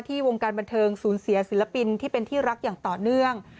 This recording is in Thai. วงการบันเทิงศูนย์เสียศิลปินที่เป็นที่รักอย่างต่อเนื่อง